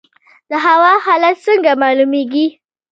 د هوا حالات څنګه معلومیږي؟